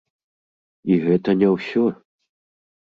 І гэта не ўсё!